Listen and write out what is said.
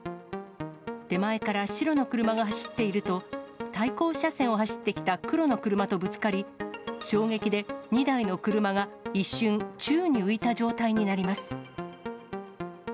手前から白の車が走っていると、対向車線を走ってきた黒の車とぶつかり、衝撃で２台の車が一瞬、宙に浮いた状態になります。